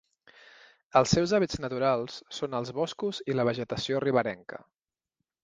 Els seus hàbitats naturals són els boscos i la vegetació riberenca.